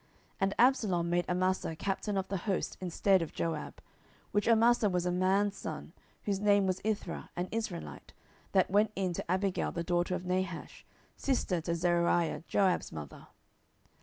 10:017:025 And Absalom made Amasa captain of the host instead of Joab: which Amasa was a man's son, whose name was Ithra an Israelite, that went in to Abigail the daughter of Nahash, sister to Zeruiah Joab's mother.